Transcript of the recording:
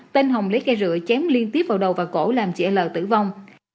tên hồng lấy cây rửa chém liên tiếp vào đầu và cổ làm chị l tử vong